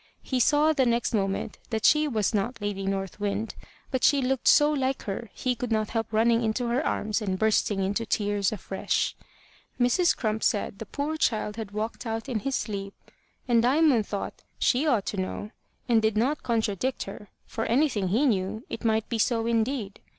He saw the next moment that she was not Lady North Wind, but she looked so like her he could not help running into her arms and bursting into tears afresh. Mrs. Crump said the poor child had walked out in his sleep, and Diamond thought she ought to know, and did not contradict her for anything he knew, it might be so indeed.